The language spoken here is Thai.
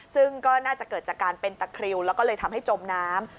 ซึ่งก็น่าจะเกิดจากการเป็นตะคริวแล้วก็เลยทำให้จมน้ำ